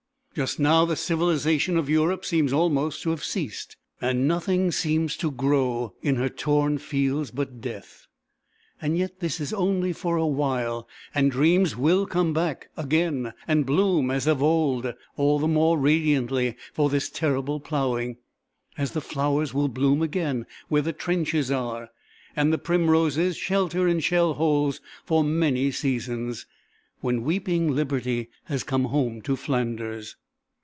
Just now the civilization of Europe seems almost to have ceased, and nothing seems to grow in her torn fields but death, yet this is only for a while and dreams will come back again and bloom as of old, all the more radiantly for this terrible ploughing, as the flowers will bloom again where the trenches are and the primroses shelter in shell holes for many seasons, when weeping Liberty has come home to Flanders.